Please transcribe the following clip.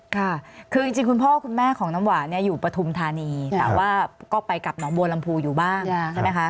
ค่ะคือจริงจริงคุณพ่อคุณแม่ของน้ำหว่านี่อยู่ปฐุมธานีแต่ว่าก็ไปกับหนองบวลำภูย์อยู่บ้างแล้วใช่มั้ยคะ